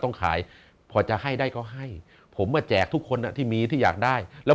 ต้องขายพอจะให้ได้ก็ให้ผมมาแจกทุกคนที่มีที่อยากได้แล้ว